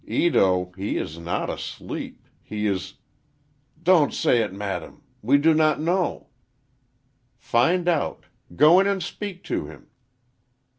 Ito, he is not asleep—he is—" "Don't say it, madam. We do not know." "Find out! Go in and speak to him."